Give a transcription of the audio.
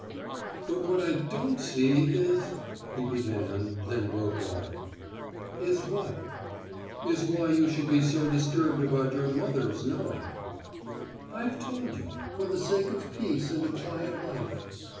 "But what I don't see is ," he began, then broke off. "Is what?" "Is why you should be so disturbed about your mother's knowing." "I've told you for the sake of peace and a quiet life."